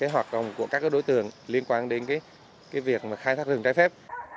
hoạt động của các đối tượng liên quan đến việc khai thác rừng trái phép